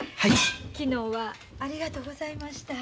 昨日はありがとうございました。